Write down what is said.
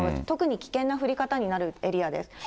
特に危険な降り方になるエリアです。